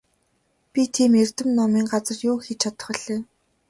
Би тийм эрдэм номын газар юу хийж чадах билээ?